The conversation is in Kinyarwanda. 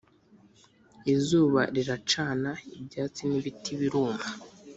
izuba riracana, ibyatsi n'ibiti biruma